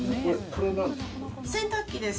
洗濯機です。